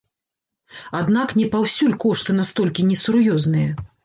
Аднак не паўсюль кошты настолькі несур'ёзныя.